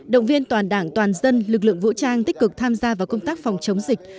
động viên toàn đảng toàn dân lực lượng vũ trang tích cực tham gia vào công tác phòng chống dịch